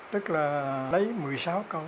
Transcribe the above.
tức là lấy một mươi sáu câu